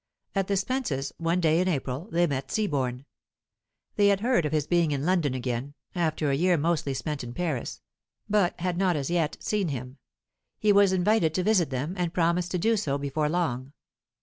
At the Spences', one day in April, they met Seaborne. They had heard of his being in London again (after a year mostly spent in Paris), but had not as yet seen him. He was invited to visit them, and promised to do so before long.